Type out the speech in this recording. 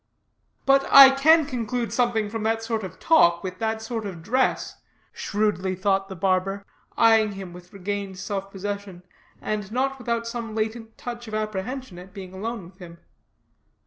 "But I can conclude something from that sort of talk, with that sort of dress," shrewdly thought the barber, eying him with regained self possession, and not without some latent touch of apprehension at being alone with him.